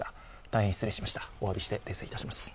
大変失礼いたしました。